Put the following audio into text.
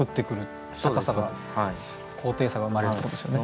高さが高低差が生まれるってことですよね。